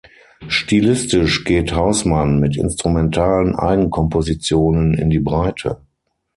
Stilistisch geht Hausmann mit instrumentalen Eigenkompositionen in die Breite.